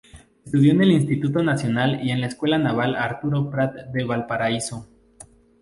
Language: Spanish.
Estudió en el Instituto Nacional y en la Escuela Naval Arturo Prat de Valparaíso.